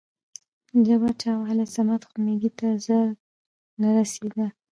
جبار: چا وهلى؟ صمد خو مېږي ته زر نه رسېده.